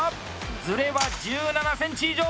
ズレは１７ｃｍ以上！